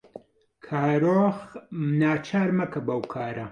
کارۆخ ناچار مەکە بەو کارە.